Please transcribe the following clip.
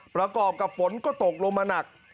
ประกอบกับฝนก็ตกลงมาหนัก